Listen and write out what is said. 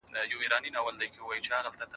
موبایل په تشناب کې مه کاروئ.